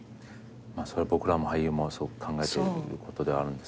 それは僕らも俳優もすごく考えていることではあるんですが。